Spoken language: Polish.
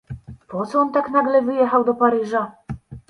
"...Poco on tak nagle wyjechał do Paryża?..."